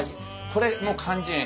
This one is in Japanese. これも肝心。